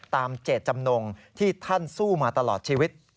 เจตจำนงที่ท่านสู้มาตลอดชีวิต